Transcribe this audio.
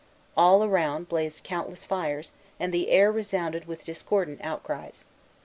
All around blazed countless fires, and the air resounded with discordant outcries.